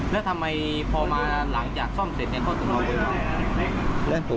แล้วทำไมพอมาหลังจากซ่อมเสร็จเนี่ยเขาถึงเอาเวลา